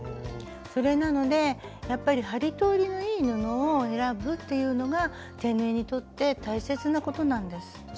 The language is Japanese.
それなのでやっぱり針通りのいい布を選ぶっていうのが手縫いにとって大切なことなんです。